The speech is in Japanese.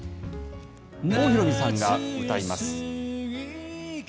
郷ひろみさんが歌います。